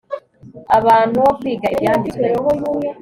abantu wo kwiga Ibyanditswe